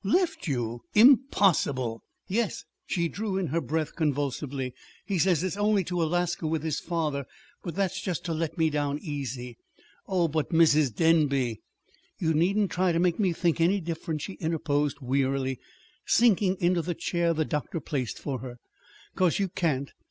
"Left you! Impossible!" "Yes." She drew in her breath convulsively. "He says it's only to Alaska with his father; but that's just to let me down easy." "Oh, but, Mrs. Denby " "You needn't try to make me think any different," she interposed wearily, sinking into the chair the doctor placed for her; "'cause you can't.